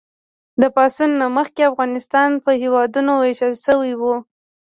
د پاڅون نه مخکې افغانستان په هېوادونو ویشل شوی و.